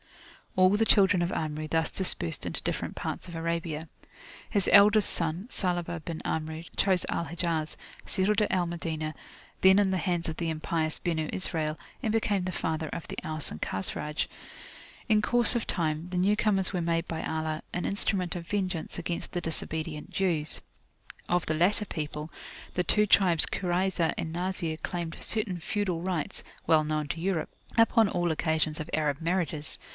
All the children of Amru thus dispersed into different parts of Arabia. His eldest son, Salabah bin Amru, chose Al Hijaz, settled at Al Madinah, then in the hands of the impious Benu Israel, and became the father of the Aus and Khazraj. In course of time, the new comers were made by Allah an instrument of vengeance against the disobedient Jews. Of the latter people, the two tribes Kurayzah and Nazir claimed certain feudal rights (well known to Europe) upon all occasions of Arab marriages.